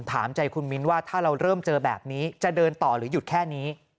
ถามใจคุณมิ้นว่าถ้าเราเริ่มเจอแบบนี้จะเดินต่อหรือหยุดแค่นี้